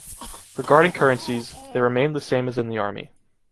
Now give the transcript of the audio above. Regarding currencies, they remained the same as in the army.